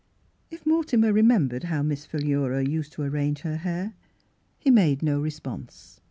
If Mortimer remembered how Miss Phi lura used to arrange her hair, he made no response.